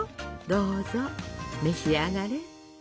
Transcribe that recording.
どうぞ召し上がれ！